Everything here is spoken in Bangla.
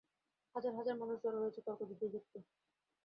হাজার হাজার মানুষ জড়ো হয়েছে তর্কযুদ্ধ দেখতে!